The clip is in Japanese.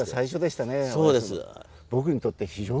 そうですか。